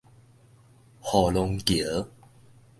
雨農橋